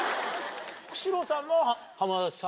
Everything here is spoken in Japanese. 久代さんも浜崎さん